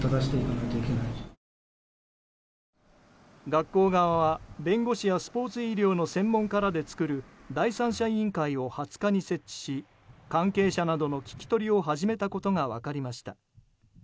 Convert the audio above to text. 学校側は、弁護士やスポーツ医療の専門家らで作る第三者委員会を２０日に設置し関係者などの聞き取りを始めたことが分かりました。